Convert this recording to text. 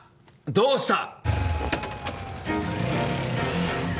どうした？